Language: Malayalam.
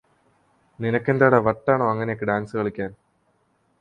നിനക്കെന്താ വട്ടാണോ അങ്ങനെയൊക്കെ ഡാൻസ് കളിക്കാൻ